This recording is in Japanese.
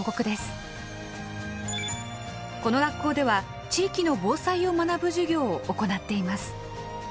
この学校では地域の防災を学ぶ授業を行っています。